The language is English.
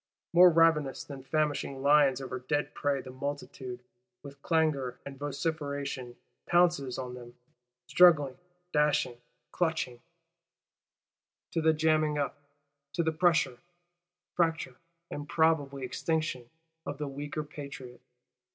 More ravenous than famishing lions over dead prey, the multitude, with clangour and vociferation, pounces on them; struggling, dashing, clutching:—to the jamming up, to the pressure, fracture and probable extinction, of the weaker Patriot.